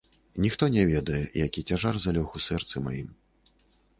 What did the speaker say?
Ніхто не ведае, які цяжар залёг у сэрцы маім.